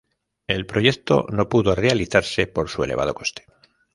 El proyecto no pudo realizarse por su elevado coste.